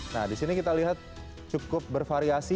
nah di sini kita lihat cukup bervariasi